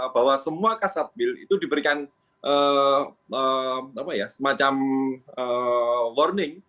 bahwa semua kasat wil itu diberikan semacam warning